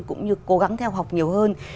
cũng như cố gắng theo học nhiều hơn